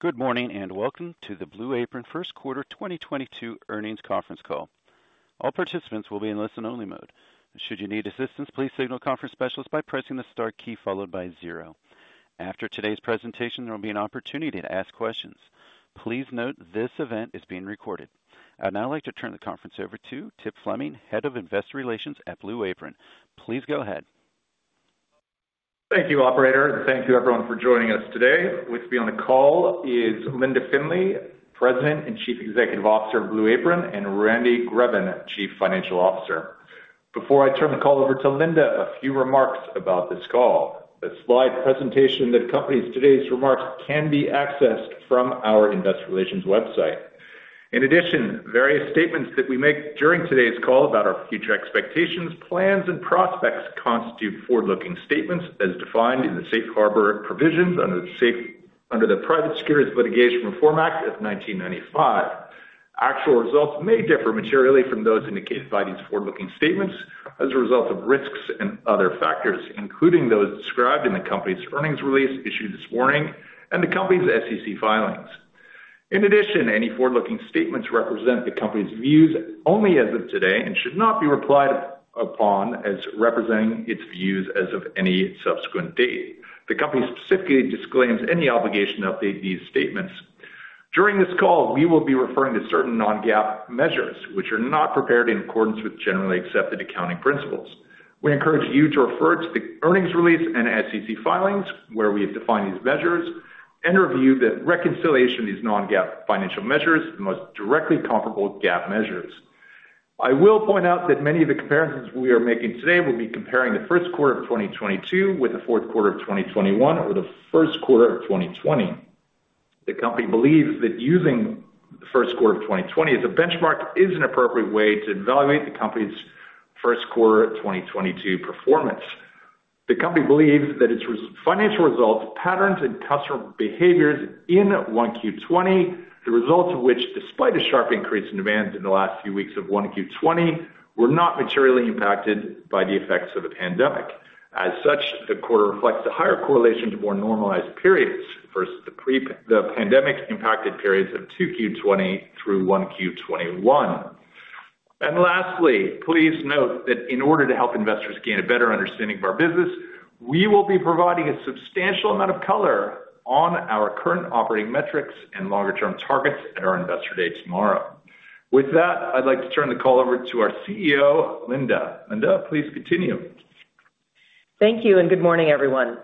Good morning, and welcome to the Blue Apron first quarter 2022 earnings conference call. All participants will be in listen-only mode. Should you need assistance, please signal a conference specialist by pressing the star key followed by zero. After today's presentation, there will be an opportunity to ask questions. Please note this event is being recorded. I'd now like to turn the conference over to Tip Fleming, Head of Investor Relations at Blue Apron. Please go ahead. Thank you, operator. Thank you everyone for joining us today. With me on the call is Linda Findley, President and Chief Executive Officer of Blue Apron, and Randy Greben, Chief Financial Officer. Before I turn the call over to Linda, a few remarks about this call. The slide presentation that accompanies today's remarks can be accessed from our investor relations website. In addition, various statements that we make during today's call about our future expectations, plans, and prospects constitute forward-looking statements as defined in the safe harbor provisions under the Private Securities Litigation Reform Act of 1995. Actual results may differ materially from those indicated by these forward-looking statements as a result of risks and other factors, including those described in the company's earnings release issued this morning and the company's SEC filings. In addition, any forward-looking statements represent the company's views only as of today and should not be relied upon as representing its views as of any subsequent date. The company specifically disclaims any obligation to update these statements. During this call, we will be referring to certain non-GAAP measures which are not prepared in accordance with generally accepted accounting principles. We encourage you to refer to the earnings release and SEC filings where we have defined these measures and review the reconciliation of these non-GAAP financial measures, the most directly comparable GAAP measures. I will point out that many of the comparisons we are making today will be comparing the first quarter of 2022 with the fourth quarter of 2021 or the first quarter of 2020. The company believes that using the first quarter of 2020 as a benchmark is an appropriate way to evaluate the company's first quarter of 2022 performance. The company believes that its financial results, patterns, and customer behaviors in 1Q 2020, the results of which, despite a sharp increase in demand in the last few weeks of 1Q 2020, were not materially impacted by the effects of the pandemic. As such, the quarter reflects a higher correlation to more normalized periods versus the pandemic-impacted periods of 2Q 2020 through 1Q 2021. Lastly, please note that in order to help investors gain a better understanding of our business, we will be providing a substantial amount of color on our current operating metrics and longer-term targets at our Investor Day tomorrow. With that, I'd like to turn the call over to our CEO, Linda. Linda, please continue. Thank you, and good morning, everyone.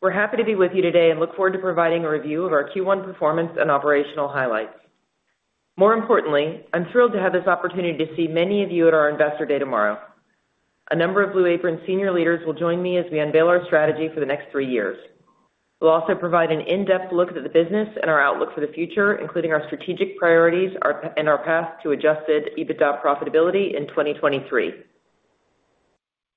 We're happy to be with you today and look forward to providing a review of our Q1 performance and operational highlights. More importantly, I'm thrilled to have this opportunity to see many of you at our Investor Day tomorrow. A number of Blue Apron senior leaders will join me as we unveil our strategy for the next three years. We'll also provide an in-depth look at the business and our outlook for the future, including our strategic priorities, and our path to adjusted EBITDA profitability in 2023.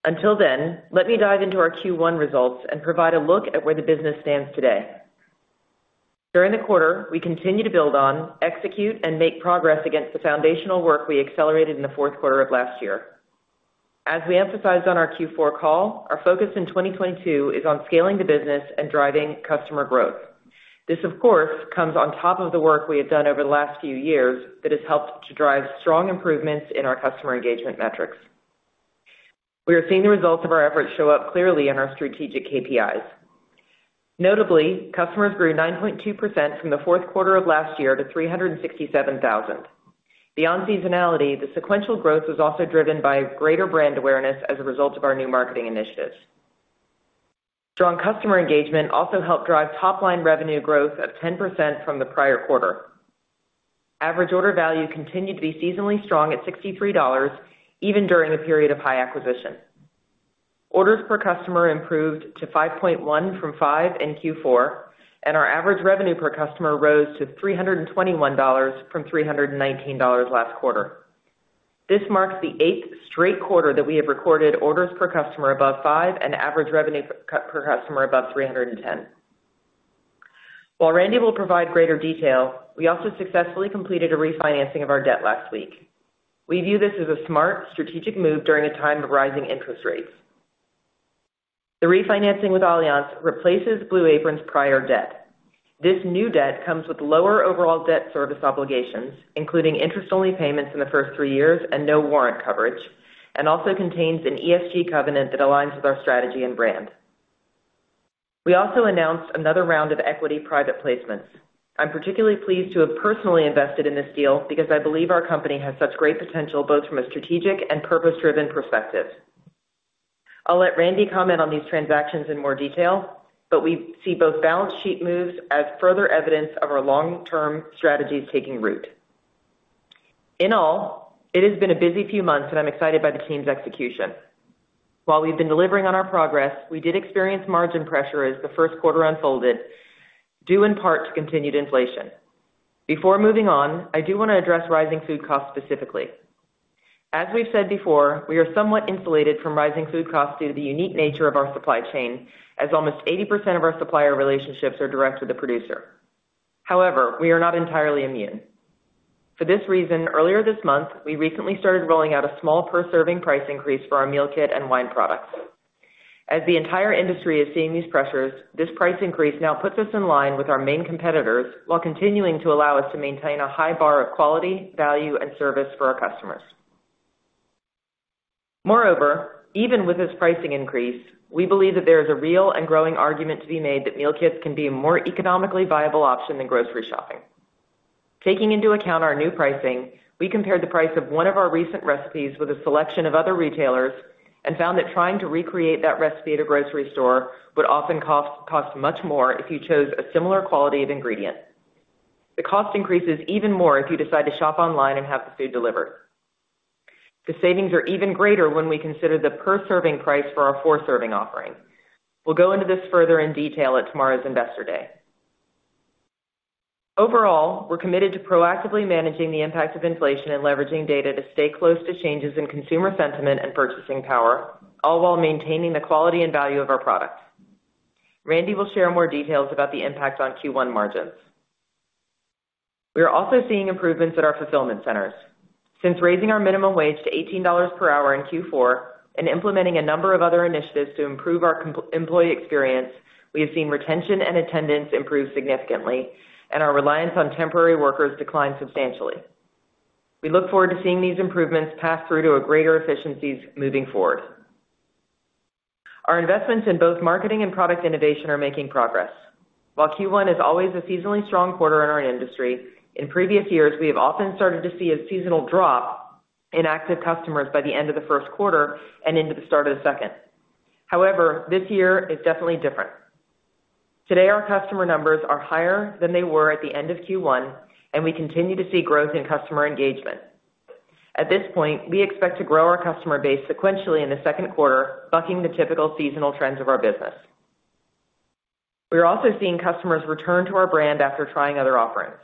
Until then, let me dive into our Q1 results and provide a look at where the business stands today. During the quarter, we continued to build on, execute, and make progress against the foundational work we accelerated in the fourth quarter of last year. As we emphasized on our Q4 call, our focus in 2022 is on scaling the business and driving customer growth. This, of course, comes on top of the work we have done over the last few years that has helped to drive strong improvements in our customer engagement metrics. We are seeing the results of our efforts show up clearly in our strategic KPIs. Notably, customers grew 9.2% from the fourth quarter of last year to 367,000. Beyond seasonality, the sequential growth was also driven by greater brand awareness as a result of our new marketing initiatives. Strong customer engagement also helped drive top-line revenue growth of 10% from the prior quarter. Average order value continued to be seasonally strong at $63, even during a period of high acquisition. Orders per customer improved to 5.1 from 5 in Q4, and our average revenue per customer rose to $321 from $319 last quarter. This marks the eighth straight quarter that we have recorded orders per customer above 5 and average revenue per customer above $310. While Randy will provide greater detail, we also successfully completed a refinancing of our debt last week. We view this as a smart strategic move during a time of rising interest rates. The refinancing with Allianz replaces Blue Apron's prior debt. This new debt comes with lower overall debt service obligations, including interest-only payments in the first three years and no warrant coverage, and also contains an ESG covenant that aligns with our strategy and brand. We also announced another round of equity private placements. I'm particularly pleased to have personally invested in this deal because I believe our company has such great potential, both from a strategic and purpose-driven perspective. I'll let Randy comment on these transactions in more detail, but we see both balance sheet moves as further evidence of our long-term strategies taking root. In all, it has been a busy few months, and I'm excited by the team's execution. While we've been delivering on our progress, we did experience margin pressure as the first quarter unfolded, due in part to continued inflation. Before moving on, I do wanna address rising food costs specifically. As we've said before, we are somewhat insulated from rising food costs due to the unique nature of our supply chain, as almost 80% of our supplier relationships are direct with the producer. However, we are not entirely immune. For this reason, earlier this month, we recently started rolling out a small per serving price increase for our meal kit and wine products. As the entire industry is seeing these pressures, this price increase now puts us in line with our main competitors while continuing to allow us to maintain a high bar of quality, value and service for our customers. Moreover, even with this pricing increase, we believe that there is a real and growing argument to be made that meal kits can be a more economically viable option than grocery shopping. Taking into account our new pricing, we compared the price of one of our recent recipes with a selection of other retailers and found that trying to recreate that recipe at a grocery store would often cost much more if you chose a similar quality of ingredient. The cost increases even more if you decide to shop online and have the food delivered. The savings are even greater when we consider the per serving price for our four-serving offering. We'll go into this further in detail at tomorrow's Investor Day. Overall, we're committed to proactively managing the impact of inflation and leveraging data to stay close to changes in consumer sentiment and purchasing power, all while maintaining the quality and value of our products. Randy will share more details about the impact on Q1 margins. We are also seeing improvements at our fulfillment centers. Since raising our minimum wage to $18 per hour in Q4 and implementing a number of other initiatives to improve our employee experience, we have seen retention and attendance improve significantly and our reliance on temporary workers decline substantially. We look forward to seeing these improvements pass through to a greater efficiencies moving forward. Our investments in both marketing and product innovation are making progress. While Q1 is always a seasonally strong quarter in our industry, in previous years, we have often started to see a seasonal drop in active customers by the end of the first quarter and into the start of the second. However, this year is definitely different. Today, our customer numbers are higher than they were at the end of Q1, and we continue to see growth in customer engagement. At this point, we expect to grow our customer base sequentially in the second quarter, bucking the typical seasonal trends of our business. We are also seeing customers return to our brand after trying other offerings.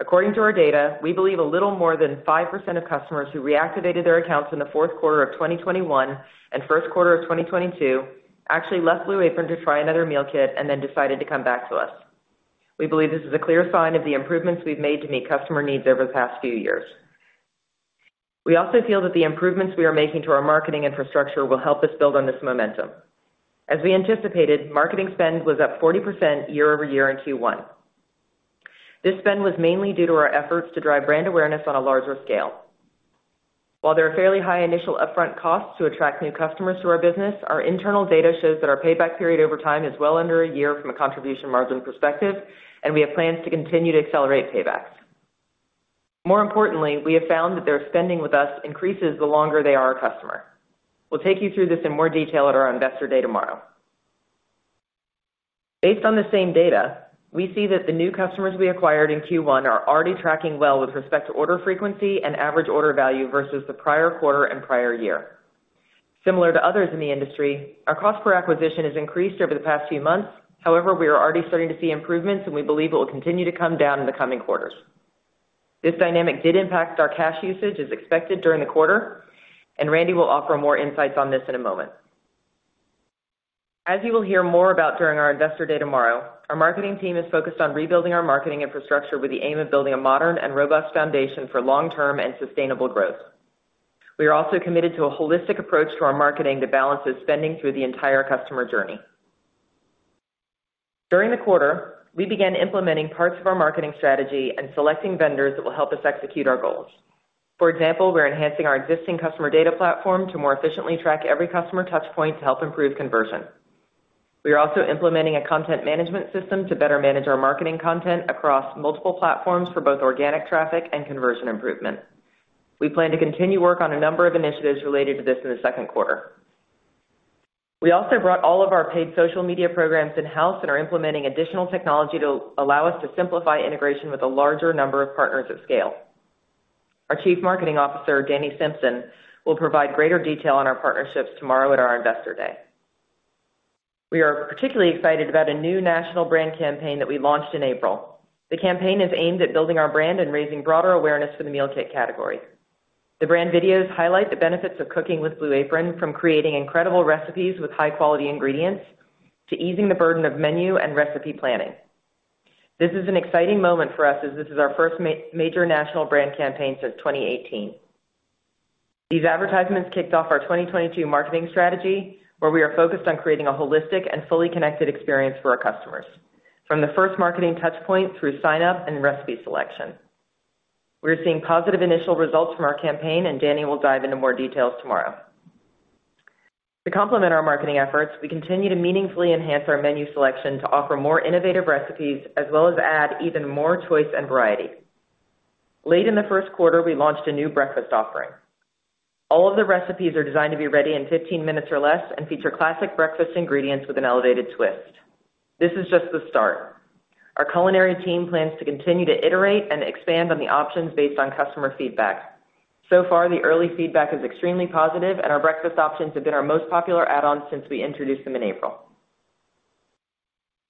According to our data, we believe a little more than 5% of customers who reactivated their accounts in the fourth quarter of 2021 and first quarter of 2022 actually left Blue Apron to try another meal kit and then decided to come back to us. We believe this is a clear sign of the improvements we've made to meet customer needs over the past few years. We also feel that the improvements we are making to our marketing infrastructure will help us build on this momentum. As we anticipated, marketing spend was up 40% year-over-year in Q1. This spend was mainly due to our efforts to drive brand awareness on a larger scale. While there are fairly high initial upfront costs to attract new customers to our business, our internal data shows that our payback period over time is well under a year from a contribution margin perspective, and we have plans to continue to accelerate paybacks. More importantly, we have found that their spending with us increases the longer they are our customer. We'll take you through this in more detail at our Investor Day tomorrow. Based on the same data, we see that the new customers we acquired in Q1 are already tracking well with respect to order frequency and average order value versus the prior quarter and prior year. Similar to others in the industry, our cost per acquisition has increased over the past few months. However, we are already starting to see improvements, and we believe it will continue to come down in the coming quarters. This dynamic did impact our cash usage as expected during the quarter, and Randy will offer more insights on this in a moment. As you will hear more about during our Investor Day tomorrow, our marketing team is focused on rebuilding our marketing infrastructure with the aim of building a modern and robust foundation for long-term and sustainable growth. We are also committed to a holistic approach to our marketing that balances spending through the entire customer journey. During the quarter, we began implementing parts of our marketing strategy and selecting vendors that will help us execute our goals. For example, we're enhancing our existing customer data platform to more efficiently track every customer touch point to help improve conversion. We are also implementing a content management system to better manage our marketing content across multiple platforms for both organic traffic and conversion improvement. We plan to continue work on a number of initiatives related to this in the second quarter. We also brought all of our paid social media programs in-house and are implementing additional technology to allow us to simplify integration with a larger number of partners at scale. Our Chief Marketing Officer, Dani Simpson, will provide greater detail on our partnerships tomorrow at our Investor Day. We are particularly excited about a new national brand campaign that we launched in April. The campaign is aimed at building our brand and raising broader awareness for the meal kit category. The brand videos highlight the benefits of cooking with Blue Apron, from creating incredible recipes with high-quality ingredients to easing the burden of menu and recipe planning. This is an exciting moment for us as this is our first major national brand campaign since 2018. These advertisements kicked off our 2022 marketing strategy, where we are focused on creating a holistic and fully connected experience for our customers, from the first marketing touch point through sign up and recipe selection. We are seeing positive initial results from our campaign, and Dani will dive into more details tomorrow. To complement our marketing efforts, we continue to meaningfully enhance our menu selection to offer more innovative recipes, as well as add even more choice and variety. Late in the first quarter, we launched a new breakfast offering. All of the recipes are designed to be ready in 15 minutes or less and feature classic breakfast ingredients with an elevated twist. This is just the start. Our culinary team plans to continue to iterate and expand on the options based on customer feedback. So far, the early feedback is extremely positive, and our breakfast options have been our most popular add-ons since we introduced them in April.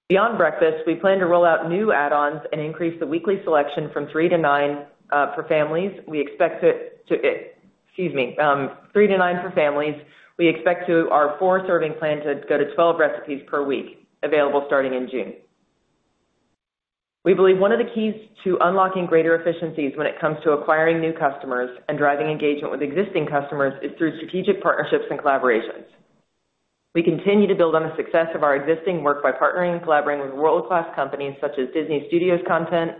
Beyond breakfast, we plan to roll out new add-ons and increase the weekly selection from three to nine for families. We expect our four serving plan to go to 12 recipes per week, available starting in June. We believe one of the keys to unlocking greater efficiencies when it comes to acquiring new customers and driving engagement with existing customers is through strategic partnerships and collaborations. We continue to build on the success of our existing work by partnering and collaborating with world-class companies such as Disney Studios Content,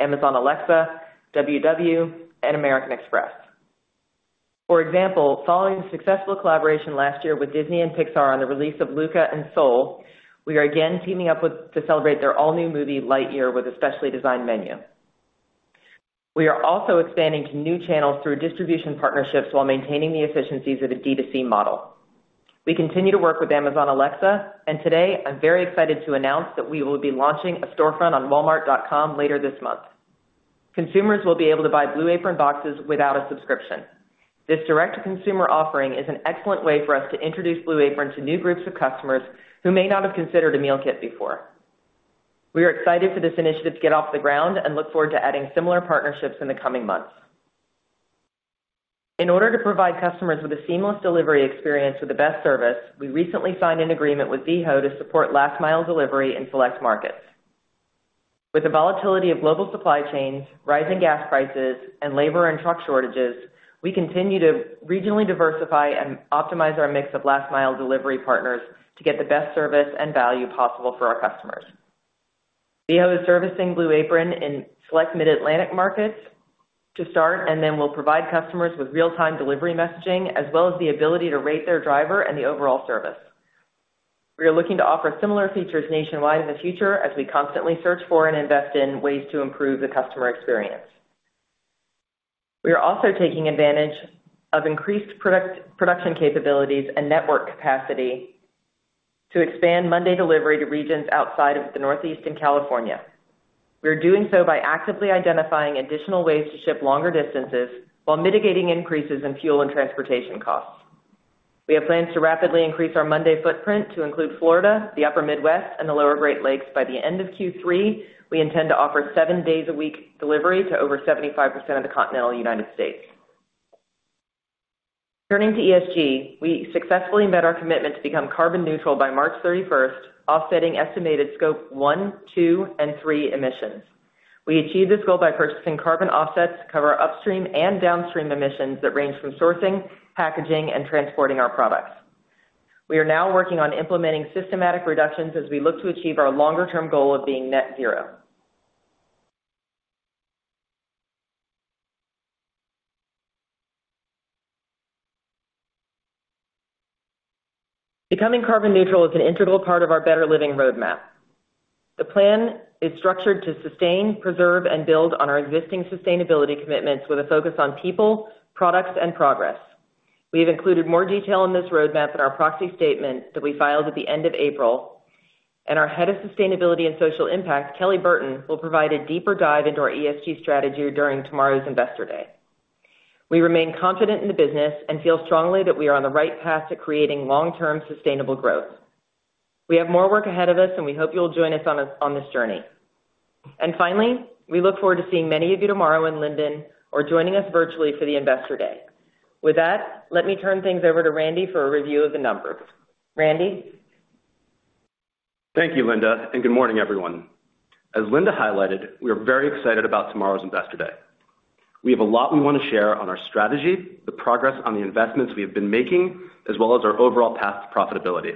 Amazon Alexa, WW, and American Express. For example, following successful collaboration last year with Disney and Pixar on the release of Luca and Soul, we are again teaming up with Disney and Pixar to celebrate their all-new movie, Lightyear, with a specially designed menu. We are also expanding to new channels through distribution partnerships while maintaining the efficiencies of a D2C model. We continue to work with Amazon Alexa, and today I'm very excited to announce that we will be launching a storefront on Walmart.com later this month. Consumers will be able to buy Blue Apron boxes without a subscription. This direct-to-consumer offering is an excellent way for us to introduce Blue Apron to new groups of customers who may not have considered a meal kit before. We are excited for this initiative to get off the ground and look forward to adding similar partnerships in the coming months. In order to provide customers with a seamless delivery experience with the best service, we recently signed an agreement with Veho to support last mile delivery in select markets. With the volatility of global supply chains, rising gas prices, and labor and truck shortages, we continue to regionally diversify and optimize our mix of last mile delivery partners to get the best service and value possible for our customers. Veho is servicing Blue Apron in select mid-Atlantic markets to start, and then we'll provide customers with real-time delivery messaging, as well as the ability to rate their driver and the overall service. We are looking to offer similar features nationwide in the future as we constantly search for and invest in ways to improve the customer experience. We are also taking advantage of increased product production capabilities and network capacity to expand Monday delivery to regions outside of the Northeast and California. We are doing so by actively identifying additional ways to ship longer distances while mitigating increases in fuel and transportation costs. We have plans to rapidly increase our Monday footprint to include Florida, the upper Midwest, and the lower Great Lakes. By the end of Q3, we intend to offer seven days a week delivery to over 75% of the continental United States. Turning to ESG, we successfully met our commitment to become carbon neutral by March 31, offsetting estimated Scope 1, 2, and 3 emissions. We achieved this goal by purchasing carbon offsets to cover upstream and downstream emissions that range from sourcing, packaging, and transporting our products. We are now working on implementing systematic reductions as we look to achieve our longer term goal of being net zero. Becoming carbon neutral is an integral part of our Better Living Roadmap. The plan is structured to sustain, preserve, and build on our existing sustainability commitments with a focus on people, products, and progress. We have included more detail in this roadmap in our proxy statement that we filed at the end of April, and our head of sustainability and social impact, Kelly Burton, will provide a deeper dive into our ESG strategy during tomorrow's Investor Day. We remain confident in the business and feel strongly that we are on the right path to creating long-term sustainable growth. We have more work ahead of us, and we hope you'll join us on this journey. Finally, we look forward to seeing many of you tomorrow in Linden or joining us virtually for the Investor Day. With that, let me turn things over to Randy for a review of the numbers. Randy? Thank you, Linda, and good morning, everyone. As Linda highlighted, we are very excited about tomorrow's Investor Day. We have a lot we wanna share on our strategy, the progress on the investments we have been making, as well as our overall path to profitability.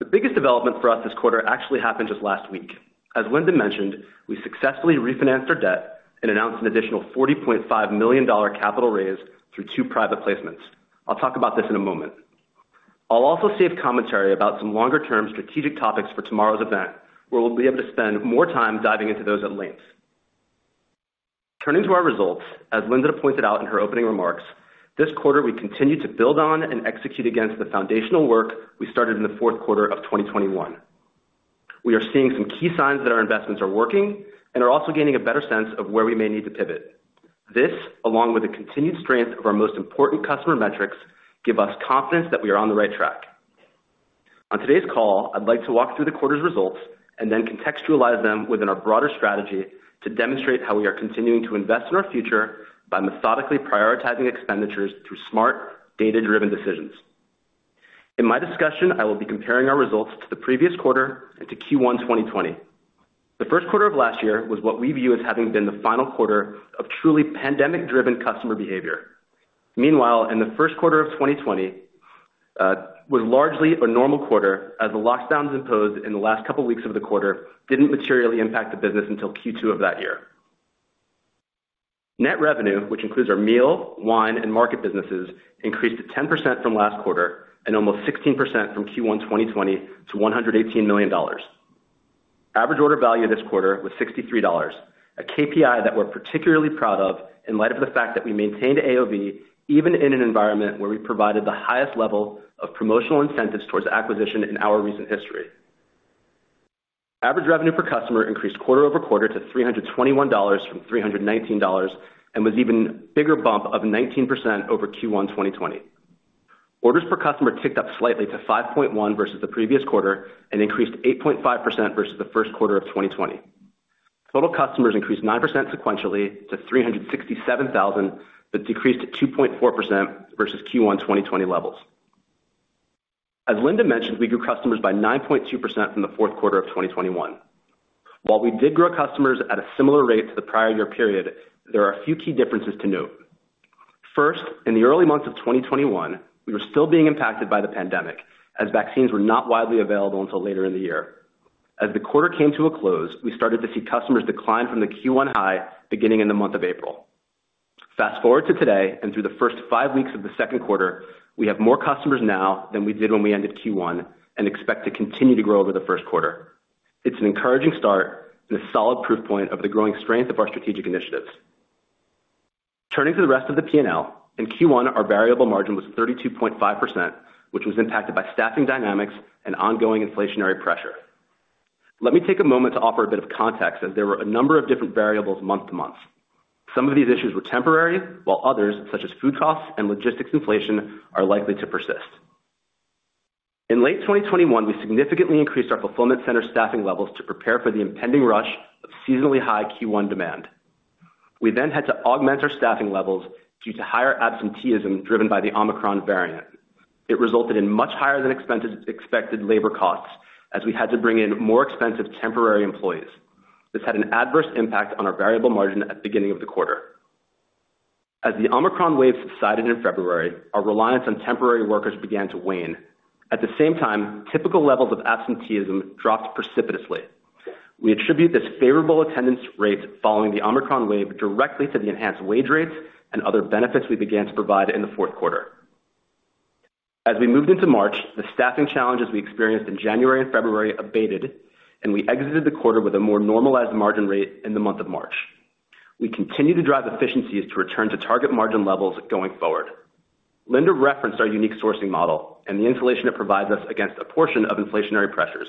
The biggest development for us this quarter actually happened just last week. As Linda mentioned, we successfully refinanced our debt and announced an additional $40.5 million capital raise through two private placements. I'll talk about this in a moment. I'll also save commentary about some longer-term strategic topics for tomorrow's event, where we'll be able to spend more time diving into those at length. Turning to our results, as Linda pointed out in her opening remarks, this quarter, we continued to build on and execute against the foundational work we started in the fourth quarter of 2021. We are seeing some key signs that our investments are working and are also gaining a better sense of where we may need to pivot. This, along with the continued strength of our most important customer metrics, give us confidence that we are on the right track. On today's call, I'd like to walk through the quarter's results and then contextualize them within our broader strategy to demonstrate how we are continuing to invest in our future by methodically prioritizing expenditures through smart, data-driven decisions. In my discussion, I will be comparing our results to the previous quarter and to Q1 2020. The first quarter of last year was what we view as having been the final quarter of truly pandemic-driven customer behavior. Meanwhile, in the first quarter of 2020 was largely a normal quarter as the lockdowns imposed in the last couple weeks of the quarter didn't materially impact the business until Q2 of that year. Net revenue, which includes our meal, wine, and market businesses, increased 10% from last quarter and almost 16% from Q1 2020 to $118 million. Average order value this quarter was $63, a KPI that we're particularly proud of in light of the fact that we maintained AOV even in an environment where we provided the highest level of promotional incentives toward acquisition in our recent history. Average revenue per customer increased quarter over quarter to $321 from $319 and was even bigger bump of 19% over Q1 2020. Orders per customer ticked up slightly to 5.1 versus the previous quarter and increased 8.5% versus the first quarter of 2020. Total customers increased 9% sequentially to 367,000, but decreased 2.4% versus Q1 2020 levels. As Linda mentioned, we grew customers by 9.2% from the fourth quarter of 2021. While we did grow customers at a similar rate to the prior year period, there are a few key differences to note. First, in the early months of 2021, we were still being impacted by the pandemic, as vaccines were not widely available until later in the year. As the quarter came to a close, we started to see customers decline from the Q1 high beginning in the month of April. Fast-forward to today and through the first five weeks of the second quarter, we have more customers now than we did when we ended Q1 and expect to continue to grow over the first quarter. It's an encouraging start and a solid proof point of the growing strength of our strategic initiatives. Turning to the rest of the P&L, in Q1, our variable margin was 32.5%, which was impacted by staffing dynamics and ongoing inflationary pressure. Let me take a moment to offer a bit of context, as there were a number of different variables month to month. Some of these issues were temporary, while others, such as food costs and logistics inflation, are likely to persist. In late 2021, we significantly increased our fulfillment center staffing levels to prepare for the impending rush of seasonally high Q1 demand. We then had to augment our staffing levels due to higher absenteeism driven by the Omicron variant. It resulted in much higher than expected labor costs as we had to bring in more expensive temporary employees. This had an adverse impact on our variable margin at beginning of the quarter. As the Omicron wave subsided in February, our reliance on temporary workers began to wane. At the same time, typical levels of absenteeism dropped precipitously. We attribute this favorable attendance rate following the Omicron wave directly to the enhanced wage rates and other benefits we began to provide in the fourth quarter. As we moved into March, the staffing challenges we experienced in January and February abated, and we exited the quarter with a more normalized margin rate in the month of March. We continue to drive efficiencies to return to target margin levels going forward. Linda referenced our unique sourcing model and the insulation it provides us against a portion of inflationary pressures.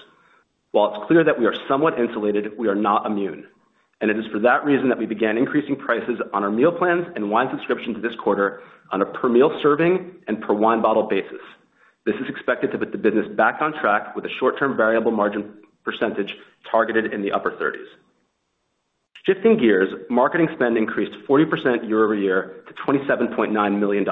While it's clear that we are somewhat insulated, we are not immune, and it is for that reason that we began increasing prices on our meal plans and wine subscriptions this quarter on a per meal serving and per wine bottle basis. This is expected to put the business back on track with a short-term variable margin percentage targeted in the upper 30s. Shifting gears, marketing spend increased 40% year-over-year to $27.9 million.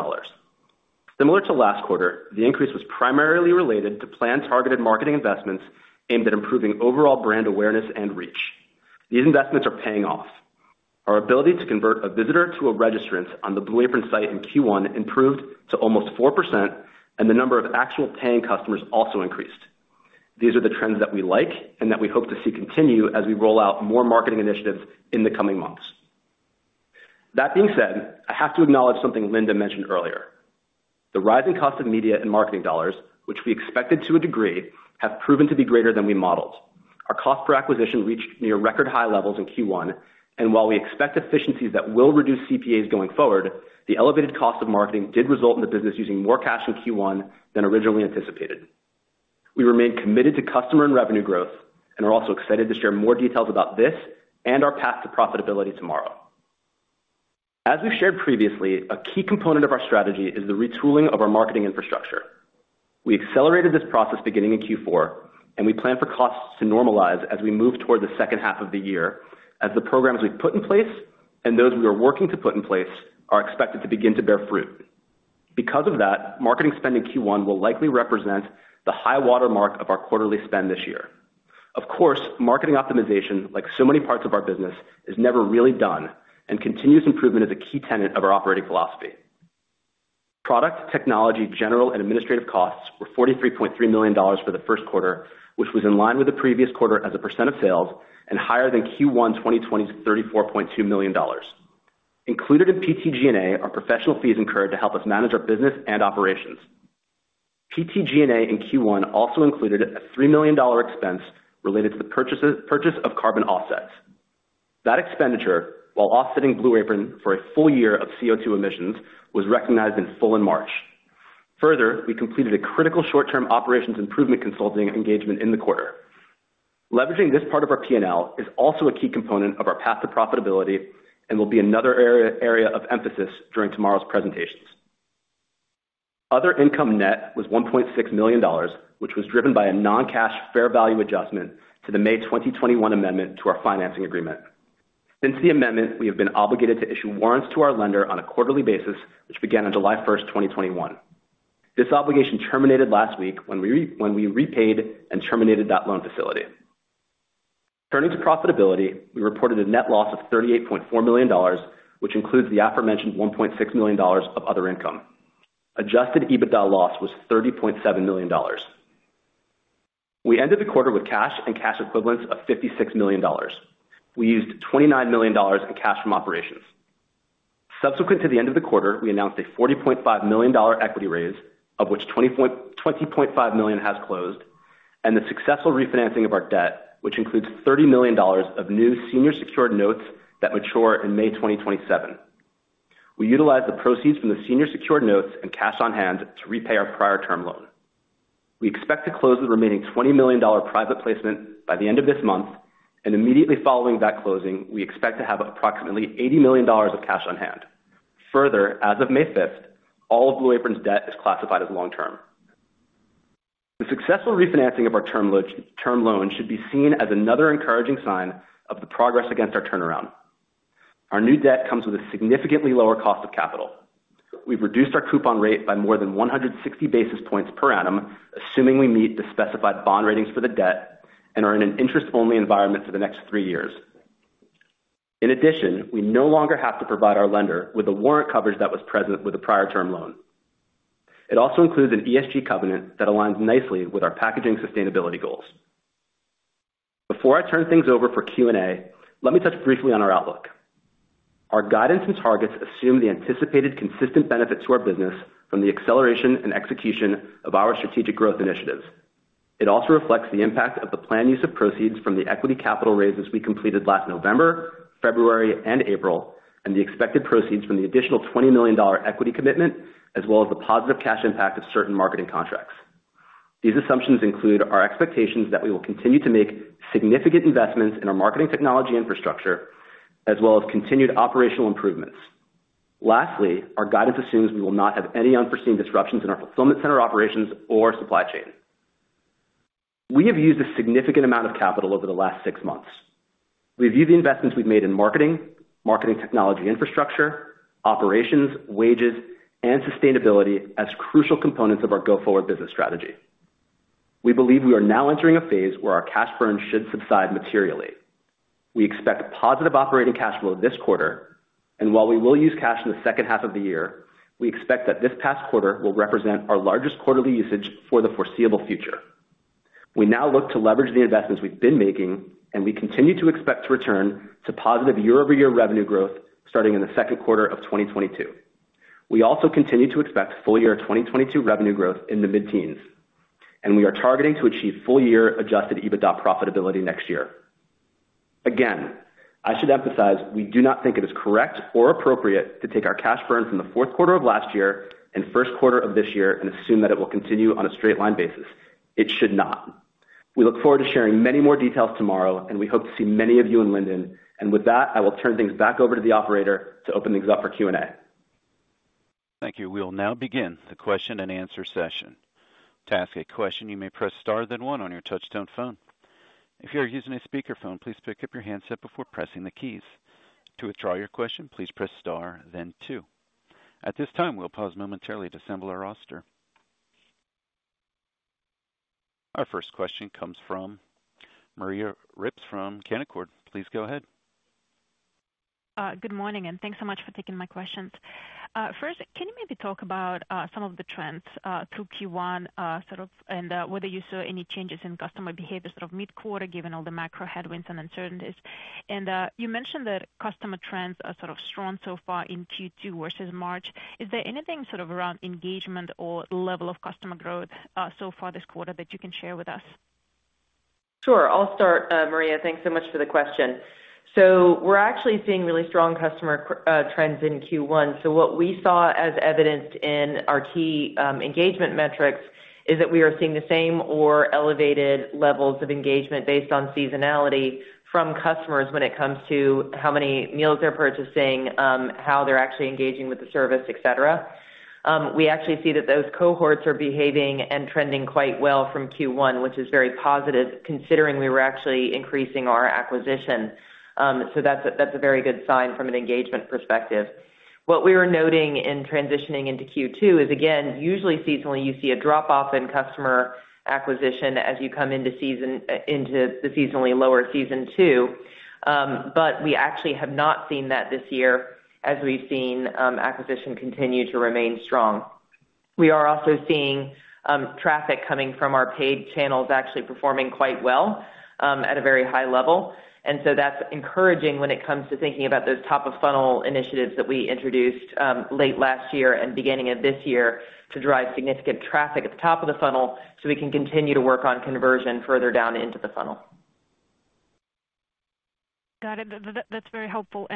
Similar to last quarter, the increase was primarily related to plan targeted marketing investments aimed at improving overall brand awareness and reach. These investments are paying off. Our ability to convert a visitor to a registrant on the Blue Apron site in Q1 improved to almost 4%, and the number of actual paying customers also increased. These are the trends that we like and that we hope to see continue as we roll out more marketing initiatives in the coming months. That being said, I have to acknowledge something Linda mentioned earlier. The rising cost of media and marketing dollars, which we expected to a degree, have proven to be greater than we modeled. Our cost per acquisition reached near record high levels in Q1, and while we expect efficiencies that will reduce CPAs going forward, the elevated cost of marketing did result in the business using more cash in Q1 than originally anticipated. We remain committed to customer and revenue growth and are also excited to share more details about this and our path to profitability tomorrow. As we've shared previously, a key component of our strategy is the retooling of our marketing infrastructure. We accelerated this process beginning in Q4, and we plan for costs to normalize as we move toward the second half of the year as the programs we've put in place and those we are working to put in place are expected to begin to bear fruit. Because of that, marketing spend in Q1 will likely represent the high watermark of our quarterly spend this year. Of course, marketing optimization, like so many parts of our business, is never really done and continuous improvement is a key tenet of our operating philosophy. Product, technology, general and administrative costs were $43.3 million for the first quarter, which was in line with the previous quarter as a percent of sales and higher than Q1 2020's $34.2 million. Included in PTG&A are professional fees incurred to help us manage our business and operations. PTG&A in Q1 also included a $3 million expense related to the purchase of carbon offsets. That expenditure, while offsetting Blue Apron for a full year of CO2 emissions, was recognized in full in March. Further, we completed a critical short-term operations improvement consulting engagement in the quarter. Leveraging this part of our P&L is also a key component of our path to profitability and will be another area of emphasis during tomorrow's presentations. Other income, net was $1.6 million, which was driven by a non-cash fair value adjustment to the May 2021 amendment to our financing agreement. Since the amendment, we have been obligated to issue warrants to our lender on a quarterly basis, which began on July 1, 2021. This obligation terminated last week when we repaid and terminated that loan facility. Turning to profitability, we reported a net loss of $38.4 million, which includes the aforementioned $1.6 million of other income. Adjusted EBITDA loss was $30.7 million. We ended the quarter with cash and cash equivalents of $56 million. We used $29 million in cash from operations. Subsequent to the end of the quarter, we announced a $40.5 million equity raise, of which $20.5 million has closed, and the successful refinancing of our debt, which includes $30 million of new senior secured notes that mature in May 2027. We utilized the proceeds from the senior secured notes and cash on hand to repay our prior term loan. We expect to close the remaining $20 million private placement by the end of this month and immediately following that closing, we expect to have approximately $80 million of cash on hand. Further, as of May 5, all of Blue Apron's debt is classified as long-term. The successful refinancing of our term loan should be seen as another encouraging sign of the progress against our turnaround. Our new debt comes with a significantly lower cost of capital. We've reduced our coupon rate by more than 160 basis points per annum, assuming we meet the specified bond ratings for the debt and are in an interest-only environment for the next three years. In addition, we no longer have to provide our lender with the warrant coverage that was present with the prior term loan. It also includes an ESG covenant that aligns nicely with our packaging sustainability goals. Before I turn things over for Q&A, let me touch briefly on our outlook. Our guidance and targets assume the anticipated consistent benefit to our business from the acceleration and execution of our strategic growth initiatives. It also reflects the impact of the planned use of proceeds from the equity capital raises we completed last November, February, and April, and the expected proceeds from the additional $20 million equity commitment, as well as the positive cash impact of certain marketing contracts. These assumptions include our expectations that we will continue to make significant investments in our marketing technology infrastructure as well as continued operational improvements. Lastly, our guidance assumes we will not have any unforeseen disruptions in our fulfillment center operations or supply chain. We have used a significant amount of capital over the last six months. We view the investments we've made in marketing technology infrastructure, operations, wages, and sustainability as crucial components of our go-forward business strategy. We believe we are now entering a phase where our cash burn should subside materially. We expect positive operating cash flow this quarter, and while we will use cash in the second half of the year, we expect that this past quarter will represent our largest quarterly usage for the foreseeable future. We now look to leverage the investments we've been making, and we continue to expect to return to positive year-over-year revenue growth starting in the second quarter of 2022. We also continue to expect full year 2022 revenue growth in the mid-teens, and we are targeting to achieve full year adjusted EBITDA profitability next year. Again, I should emphasize, we do not think it is correct or appropriate to take our cash burn from the fourth quarter of last year and first quarter of this year and assume that it will continue on a straight line basis. It should not. We look forward to sharing many more details tomorrow, and we hope to see many of you in Linden. With that, I will turn things back over to the operator to open things up for Q&A. Thank you. We'll now begin the question-and-answer session. To ask a question, you may press star then one on your touchtone phone. If you're using a speakerphone, please pick up your handset before pressing the keys. To withdraw your question, please press star then two. At this time, we'll pause momentarily to assemble our roster. Our first question comes from Maria Ripps from Canaccord. Please go ahead. Good morning, and thanks so much for taking my questions. First, can you maybe talk about some of the trends through Q1 sort of, and whether you saw any changes in customer behavior sort of mid-quarter, given all the macro headwinds and uncertainties? You mentioned that customer trends are sort of strong so far in Q2 versus March. Is there anything sort of around engagement or level of customer growth so far this quarter that you can share with us? Sure. I'll start, Maria. Thanks so much for the question. We're actually seeing really strong customer trends in Q1. What we saw as evidenced in our key engagement metrics is that we are seeing the same or elevated levels of engagement based on seasonality from customers when it comes to how many meals they're purchasing, how they're actually engaging with the service, et cetera. We actually see that those cohorts are behaving and trending quite well from Q1, which is very positive considering we were actually increasing our acquisition. That's a very good sign from an engagement perspective. What we were noting in transitioning into Q2 is, again, usually seasonally, you see a drop off in customer acquisition as you come into season, into the seasonally lower season two. We actually have not seen that this year as we've seen, acquisition continue to remain strong. We are also seeing, traffic coming from our paid channels actually performing quite well, at a very high level. That's encouraging when it comes to thinking about those top of funnel initiatives that we introduced, late last year and beginning of this year to drive significant traffic at the top of the funnel so we can continue to work on conversion further down into the funnel. Got it. That's very helpful.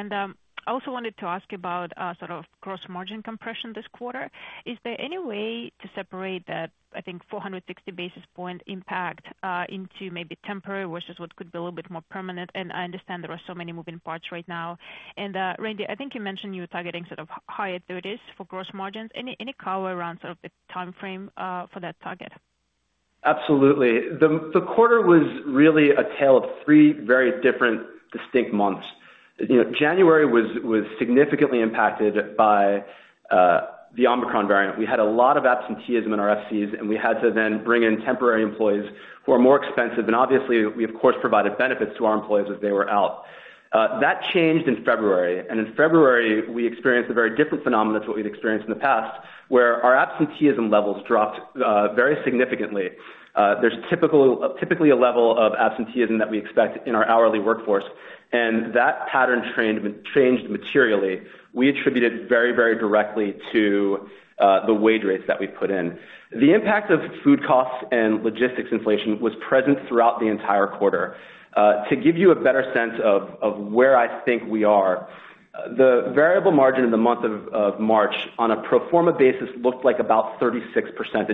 I also wanted to ask you about sort of gross margin compression this quarter. Is there any way to separate that, I think, 460 basis point impact into maybe temporary versus what could be a little bit more permanent? I understand there are so many moving parts right now. Randy, I think you mentioned you were targeting sort of higher 30s% for gross margins. Any color around sort of the timeframe for that target? Absolutely. The quarter was really a tale of three very different distinct months. You know, January was significantly impacted by the Omicron variant. We had a lot of absenteeism in our FCs, and we had to then bring in temporary employees who are more expensive. Obviously, we of course provided benefits to our employees as they were out. That changed in February. In February, we experienced a very different phenomenon to what we'd experienced in the past, where our absenteeism levels dropped very significantly. There's typically a level of absenteeism that we expect in our hourly workforce, and that pattern trend changed materially. We attribute it very, very directly to the wage rates that we put in. The impact of food costs and logistics inflation was present throughout the entire quarter. To give you a better sense of where I think we are, the variable margin in the month of March on a pro forma basis looked like about 36%,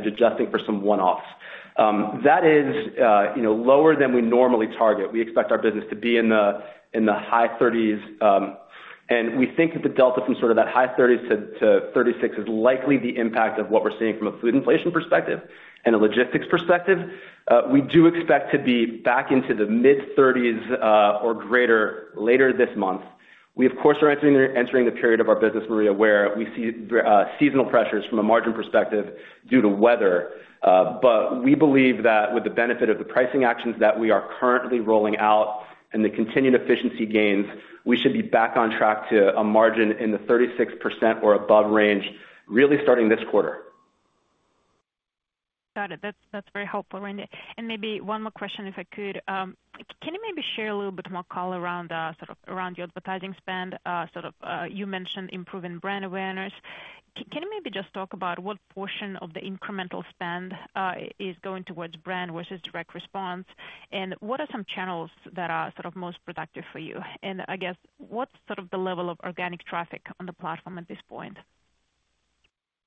adjusting for some one-offs. That is, you know, lower than we normally target. We expect our business to be in the high 30s, and we think that the delta from sort of that high 30s to 36 is likely the impact of what we're seeing from a food inflation perspective and a logistics perspective. We do expect to be back into the mid-30s or greater later this month. We, of course, are entering the period of our business, Maria, where we see seasonal pressures from a margin perspective due to weather. We believe that with the benefit of the pricing actions that we are currently rolling out and the continued efficiency gains, we should be back on track to a margin in the 36% or above range really starting this quarter. Got it. That's very helpful, Randy. Maybe one more question if I could. Can you maybe share a little bit more color around sort of around your advertising spend? Sort of, you mentioned improving brand awareness. Can you maybe just talk about what portion of the incremental spend is going towards brand versus direct response? What are some channels that are sort of most productive for you? I guess, what's sort of the level of organic traffic on the platform at this point?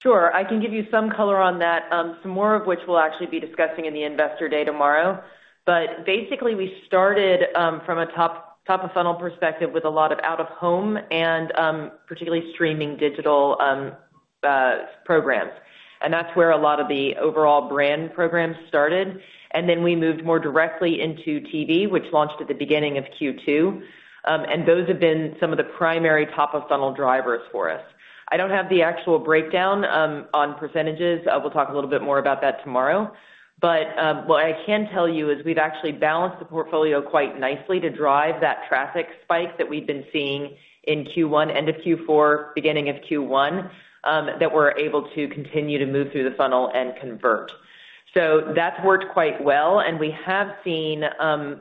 Sure. I can give you some color on that, some more of which we'll actually be discussing in the Investor Day tomorrow. Basically, we started from a top of funnel perspective with a lot of out of home and particularly streaming digital programs. That's where a lot of the overall brand programs started. Then we moved more directly into TV, which launched at the beginning of Q2. Those have been some of the primary top of funnel drivers for us. I don't have the actual breakdown on percentages. We'll talk a little bit more about that tomorrow. What I can tell you is we've actually balanced the portfolio quite nicely to drive that traffic spike that we've been seeing in Q1, end of Q4, beginning of Q1, that we're able to continue to move through the funnel and convert. That's worked quite well, and we have seen a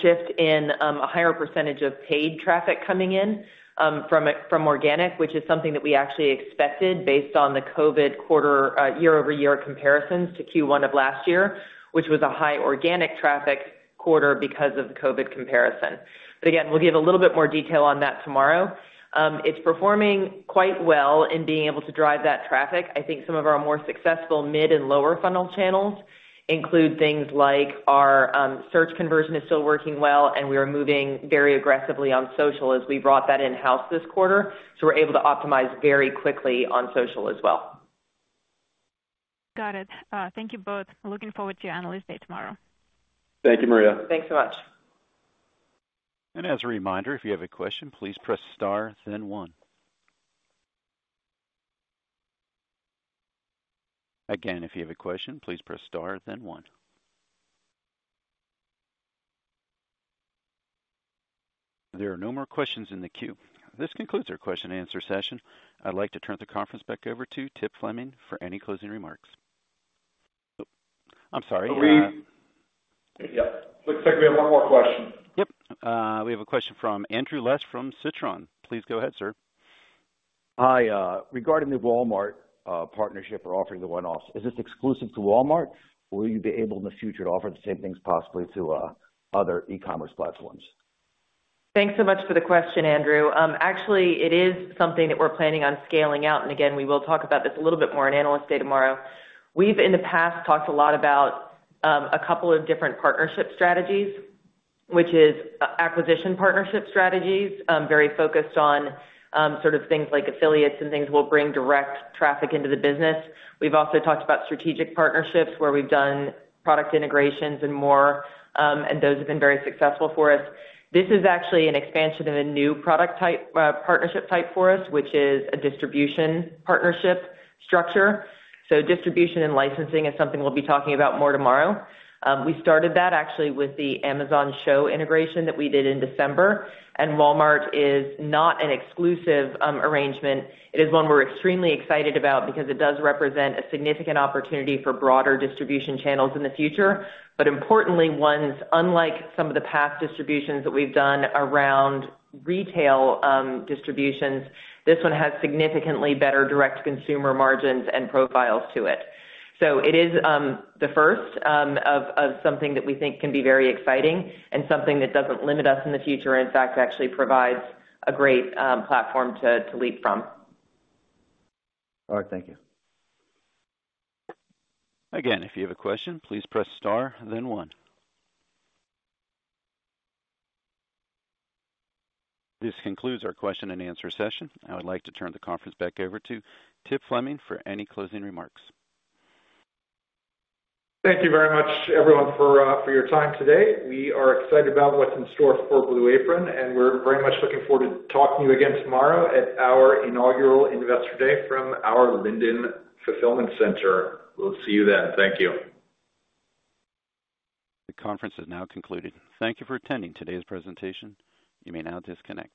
shift in a higher percentage of paid traffic coming in from organic, which is something that we actually expected based on the COVID quarter, year-over-year comparisons to Q1 of last year, which was a high organic traffic quarter because of COVID comparison. Again, we'll give a little bit more detail on that tomorrow. It's performing quite well in being able to drive that traffic. I think some of our more successful mid and lower funnel channels include things like our search conversion is still working well, and we are moving very aggressively on social as we brought that in-house this quarter, so we're able to optimize very quickly on social as well. Got it. Thank you both. Looking forward to your Analyst Day tomorrow. Thank you, Maria. Thanks so much. As a reminder, if you have a question, please press star then one. Again, if you have a question, please press star then one. There are no more questions in the queue. This concludes our question and answer session. I'd like to turn the conference back over to Tip Fleming for any closing remarks. Yep. Looks like we have one more question. Yep. We have a question from Andrew Left from Citron Research. Please go ahead, sir. Hi, regarding the Walmart partnership or offering the one-offs, is this exclusive to Walmart, or will you be able in the future to offer the same things possibly to other e-commerce platforms? Thanks so much for the question, Andrew. Actually, it is something that we're planning on scaling out, and again, we will talk about this a little bit more in Analyst Day tomorrow. We've, in the past, talked a lot about a couple of different partnership strategies, which is acquisition partnership strategies, very focused on sort of things like affiliates and things that will bring direct traffic into the business. We've also talked about strategic partnerships where we've done product integrations and more, and those have been very successful for us. This is actually an expansion in a new product type, partnership type for us, which is a distribution partnership structure. Distribution and licensing is something we'll be talking about more tomorrow. We started that actually with the Amazon Show integration that we did in December, and Walmart is not an exclusive arrangement. It is one we're extremely excited about because it does represent a significant opportunity for broader distribution channels in the future. Importantly, one is unlike some of the past distributions that we've done around retail distributions. This one has significantly better direct consumer margins and profiles to it. It is the first of something that we think can be very exciting and something that doesn't limit us in the future. In fact, actually provides a great platform to leap from. All right, thank you. Again, if you have a question, please press star then one. This concludes our question and answer session. I would like to turn the conference back over to Tip Fleming for any closing remarks. Thank you very much everyone for your time today. We are excited about what's in store for Blue Apron, and we're very much looking forward to talking to you again tomorrow at our inaugural Investor Day from our Linden Fulfillment Center. We'll see you then. Thank you. The conference has now concluded. Thank you for attending today's presentation. You may now disconnect.